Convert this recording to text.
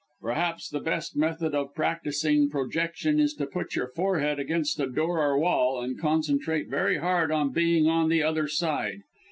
Perhaps the best method of practising projection is to put your forehead against a door or wall, and concentrate very hard on being on the other side.